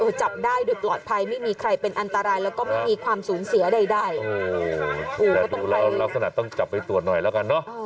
จับได้โดยปลอดภัยไม่มีใครเป็นอันตรายแล้วก็ไม่มีความสูญเสียใดแต่ดูแล้วลักษณะต้องจับไปตรวจหน่อยแล้วกันเนอะ